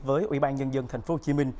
với ủy ban nhân dân tp hcm